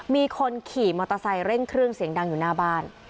มีคนขี่มอเตอร์ไซค์เร่งเครื่องเสียงดังอยู่หน้าบ้าน